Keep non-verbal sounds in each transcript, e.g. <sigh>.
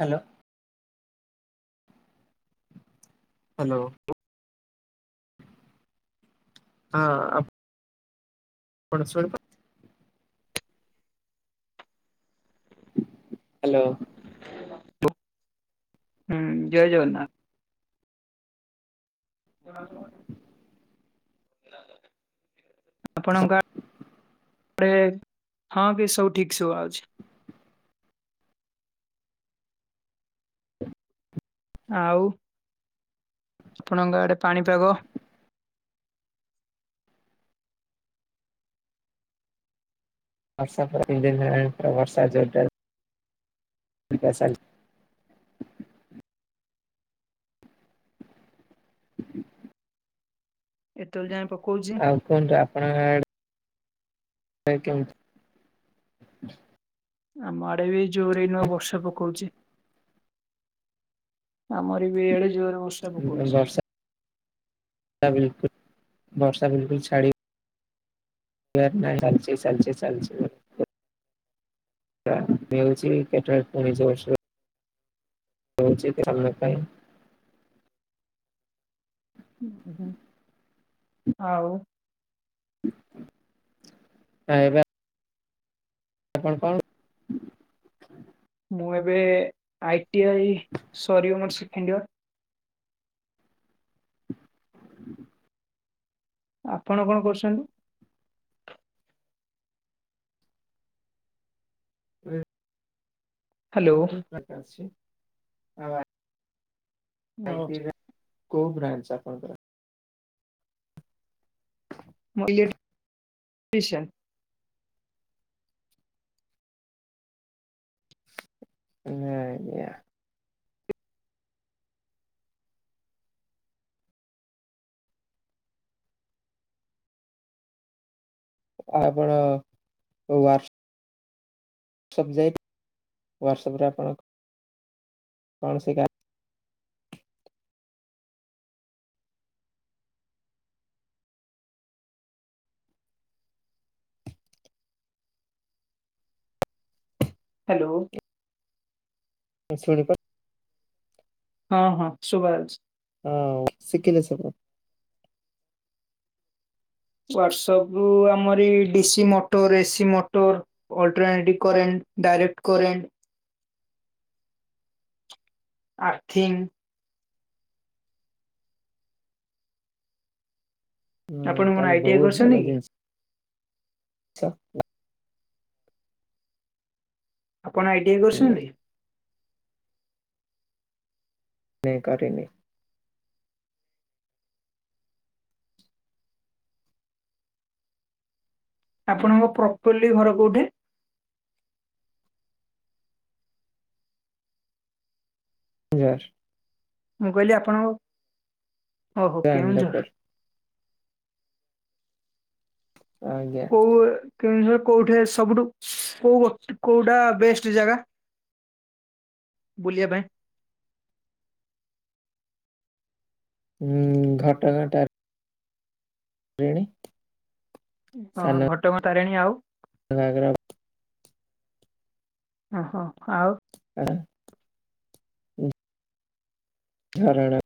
Hello. Hello. ହଁ। ଆ ପଣ ଶୁଣି ହ୍ୟାଲୋ। <unintelligible> ହୁଁ ଜୟ ଜଗନ୍ନାଥ। <unintelligible> ଆପଣଙ୍କ ଆଡେ ହଁ କି ସବୁ ଠିକ୍ ସୁବା ଯାଉଛି। ଆଉ ଆପଣଙ୍କ ଆଡେ ପାଣିପାଗ? ବର୍ଷା ପୁରା ଦିଦିନି ହେଲାଣି। ପୁରା ବର୍ଷା ଜୋରଜାରେ <unintelligible> <inaudible> ଏତଅଳ ଯାଏଁ ପକଉଚି। ଆଉ କୁହନ୍ତୁ ଆପଣଙ୍କ ଆଡେ ଆଜ୍ଞା, କେମିତି ଆମ ଆଡେ ବି ଜୋରେ ଏଇନୁକା ବର୍ଷା ପକଉଛି। ଆମର ଏ ବି ଇଆଡ଼େ ଜୋରେ ବର୍ଷା ପକଉଛି। ବର୍ଷା ବିଲକୁଲ, ବର୍ଷା ବିଲକୁଲ ଛାଡ଼ିବ ବାର ନାଇଁ, ଚାଲିଚି ଚାଲିଚି ଚାଲିଛି ଆଉ। ବାନ୍ତି ହଉଛି, ପେଟଟା ପୁଣି ଜୋର ସୋର ହଉଚି <unintelligible> ଆଉ ହଁ ଏବେ ଆପଣ କଣ ମୁଁ ଏବେ ଆଇ ଟି ଆଇ ସରିବ ମୋର ସେକେଣ୍ଡ ଇୟର। ଆପଣ କଣ କରୁଛନ୍ତି? <unintelligible> ହ୍ୟାଲୋ। <unintelligible> ଆଉ ଆ ଆଇ ମୁଁ ଟି ଆଇ ର କୋଉ ବ୍ରାଞ୍ଚ ଆପଣଙ୍କର? ମୁଁ ଇଲେକ୍ଟ୍ରିସିଆନ। ନାଇଁ ଆଜ୍ଞା। ଆଉ ଆପଣ ୱାର୍ସ ହ୍ୱାଟସପ୍ ଯାଇ ହ୍ୱାଟ୍ସଅପ୍ ରେ ଆପଣ କଣ ସେ ଗାଁ ହ୍ୟାଲୋ। ନାଇଁ ଶୁଣି ପାର ହଁ ହଁ, ଶୁଭା ଯାଉଚି। ହଁ, ଶିଖିଲେ ସବୁ? ୱାଟସପରୁ ଆମରି DC motor, AC motor alternative current, direct current earthing ହୁଁ ଆପଣ କଣ ତାହେଲେ ଆଇ ଟି ଆଇ ବହୁତ ଭଲ କରିଛନ୍ତି କି? ଜିନିଷ <unintelligible> ଆପଣ ଆଇ ଟି ଆଇ କରିସନ୍ତି? ନାଇଁ କରିନି। ଆପଣଙ୍କ ପ୍ରପରଲି ଘର କୋଉଠି? ଜାର। ମୁଁ କହିଲି ଆପଣଙ୍କ ଓହୋ, କେଉଁଝର। ଚାନ୍ଦପୁର ଆଜ୍ଞା। କୋଉ କେଉଁଝରର କୋଉଟା ସବୁଠୁ କୋଉ କୋଉଟା ବେଷ୍ଟ ଜାଗା ବୁଲିଆ ପାଇଁ? ହୁଁ, ଘଟଗାଁ ଟାରି ତାରିଣୀ ହଁ ଘଟଗାଁ ତାରିଣୀ ଆଉ ସାନ ଘାଗରା ଓହୋ। ଆଉ ଆଉ ଝରଣା।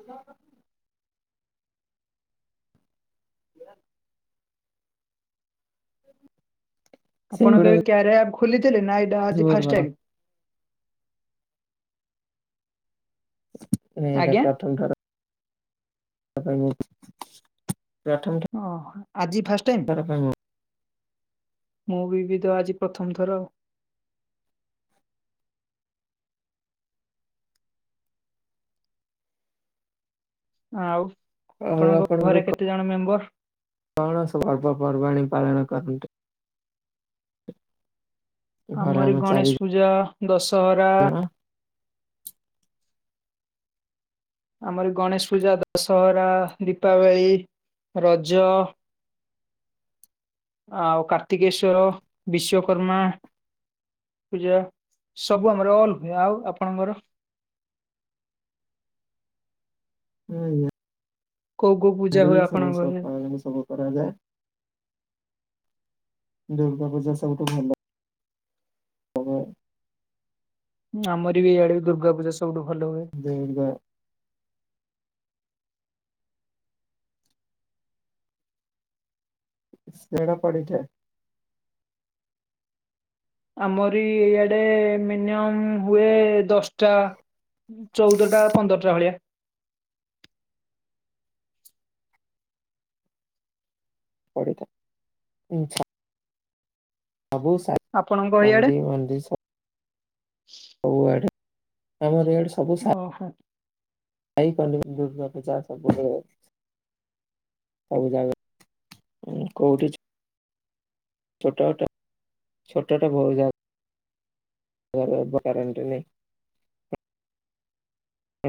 ହ୍ୟାଲୋ। <unintelligible> ଆପଣ ସେଗୁଡା କେବେ କ୍ୟାରିଆ ଆପ୍ ଖୋଲିଥିଲେ ନା ଏଇଟା ଆଜି ବହୁତ ଫାଷ୍ଟ ଭଲ ଟାଇମ୍? ନାଇଁ ଏଇଟା ଆଜ୍ଞା ପ୍ରଥମ ଥର। ଠ <unintelligible> ହଁ ହଁ ଆଜି ଫାଷ୍ଟ ଟାଇମ୍ ତାର କାଇମ୍ ମୁଁ ବି ବିି ତ ଆଜି ପ୍ରଥମ ଥର ଆଉ। ଆଉ ଆଉ ଆପଣଙ୍କ ଆପଣଙ୍କର ଘରେ କେତେ ଜଣ ମେମ୍ବର? କଣ ସବୁ ପର୍ବା ପବାଣି ପାଳନ କରନ୍ତି? ଘରେ ଆମରି ଗଣେଶ ପୂଜା ଦଶହରା ଏଁ। ଆମର ଗଣେଶ ପୂଜା, ଦଶହରା, ଦୀପାବଳି, ରଜ ଆଉ କାର୍ତ୍ତିକେଶ୍ଵର, ବିଶ୍ଵକର୍ମା ପୂଜା ସବୁ ଆମର ଅଲ ହୁଏ ଆଉ ଆପଣଙ୍କର? ହୁଁଁ। କୋଉ କୋଉ ପୂଜା ହୁଏ <unintelligible> ସମାନ ଆପଣଙ୍କ ସ ଘରେ? ପାଳନ ସବୁ କରାଯାଏ। ଦୁର୍ଗା ପୂଜା ସବୁଠୁ ଭଲ <unintelligible> ଆମର ବି ଇଆଡେ ଦୁର୍ଗା ପୂଜା ସବୁଠୁ ଭଲ ହୁଏ। ଦୁର୍ଗା ସେଡ଼ା ପଡିଯାଏ। ଆମରି ଇଆଡେ ମିନିମମ୍ ହୁଏ ଦଶଟା ଚଉଦ ଟା ପନ୍ଦରଟା ଭଳିଆ। ପଡ଼ିଥା <unintelligible> ସବୁ ସାଇ ଆପଣଙ୍କ ଇଆଡେ? କନ୍ଦି ମନ୍ଦି ଶ୍ ସବୁଆଡେ ଆମର ଇଆଡେ ସବୁ ସା ଓହୋ ଖାଇପାରୁନି ଦୁର୍ଗା ପୂଜା <unintelligible> ସବୁ ଜାଗାଁ କୋଉଠି ଚି ଛୋଟା ଛୋଟା ଛୋଟଟା ବହୁ ଜାଗା କାରେଣ୍ଟ ନି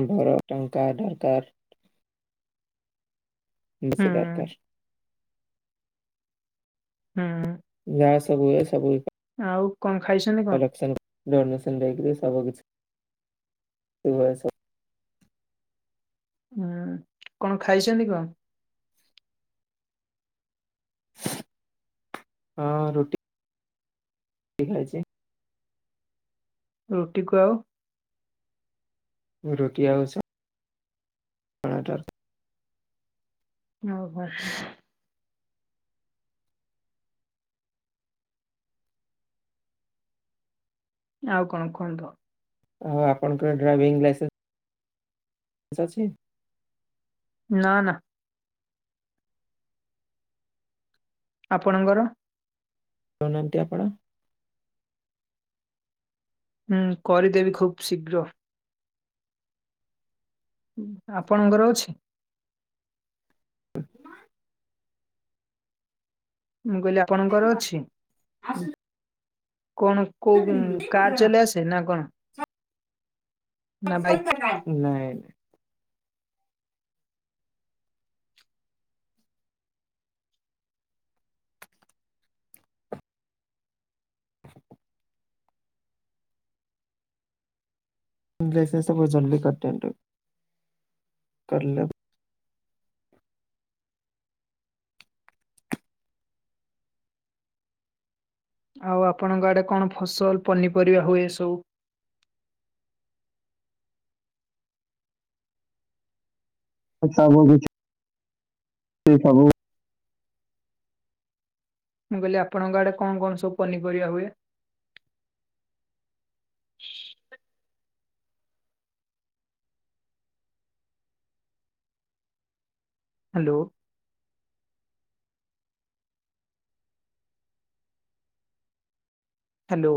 ଆମ୍ବର ଟଙ୍କା ଦରକାର୍ ହୁଁ ମୁସେ ପ୍ୟାରକର। ହୁଁ। ଯାହା ସବୁ ସବୁ ଆଉ କଣ ଖାଇସନ୍ତି କଣ? ଡନେସନ ଦେଇକିରି ସବୁ କିଛିଭୁ <unintelligible> ହୁଁ କଣ ଖାଇସନ୍ତି କଣ? ହଁ ରୁଟି ରୁଟି ଖାଇଛି। ରୁଟିକୁ ଆଉ ରୁଟି ଆଉ ସ <unintelligible> ନଉ ବା ଆଉ କଣ କୁହନ୍ତ? ଆଉ ଆପଣଙ୍କର ଡ୍ରାଇଭିଂ ଲାଇସେସ ସେଶ୍ ଅଛି। ନା ନା। ଆପଣଙ୍କର? ରହୁନାହାନ୍ତି ଆପଣ ହୁଁ କରିଦେବି ଖୁବ ଶୀଘ୍ର ଆପଣଙ୍କର ଅଛି? ମୁଁ କହିଲି ଆପଣଙ୍କର ଅଛି? ଆଶ୍ରୀ କଣ କୋଉ କାର୍ ଚଲେଇ ଆସେ ନା କଣ? ନା ବାଇକ୍ ନାଇ ଲାଇସେନ୍ ସବୁ ଜଲ୍ଦୀ କାଣ୍ <unintelligible> କରଲେବ। ଆଉ ଆପଣଙ୍କ ଆଡେ କଣ ଫସଲ ପନିପରିବା ହୁଏ ସବୁ ବ କିଛି ସେ ସବୁ ମୁଁ କହିଲି ଆପଣଙ୍କ ଆଡେ କଣ କଣ ସବୁ ପନିରିବା ହୁଏ। ହାଲୋ। ହାଲୋ।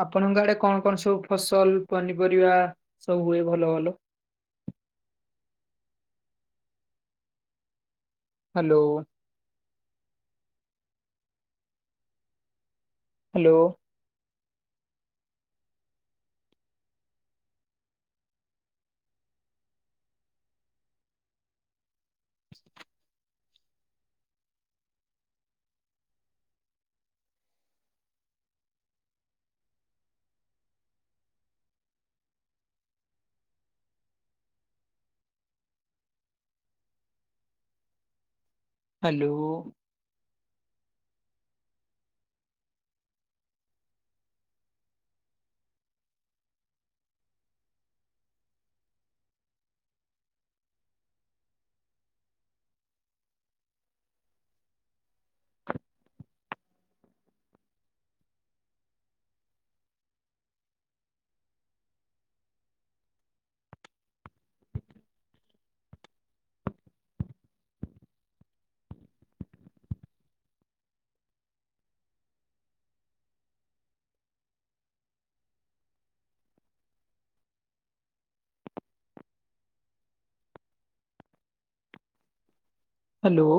ଆପଣଙ୍କ ଆଡେ କଣ କଣ ସବୁ ଫସଲ ପନିପରିବା ସବୁ ହୁଏ ଭଲ ଭଲ। ହାଲୋ। ହାଲୋ। ହାଲୋ। ହାଲୋ।